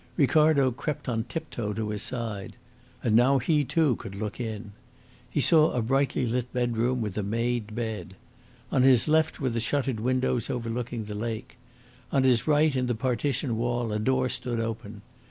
Ricardo crept on tiptoe to his side. And now he too could look in. He saw a brightly lit bedroom with a made bed. On his left were the shuttered windows overlooking the lake. On his right in the partition wall a door stood open.